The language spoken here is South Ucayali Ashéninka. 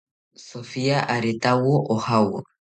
Sofia aretawo ojawo